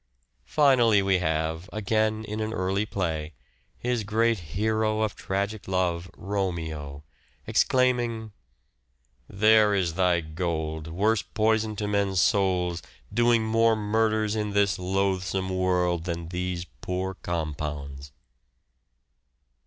Finally we have, again in an early play, his great hero of tragic love, Romeo, exclaiming :—" There is thy gold, worse poison to men's souls, Doing more murders in this loathsome world Than these poor compounds."